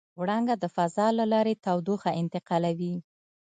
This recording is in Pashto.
وړانګه د فضا له لارې تودوخه انتقالوي.